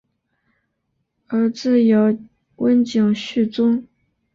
儿子有温井续宗。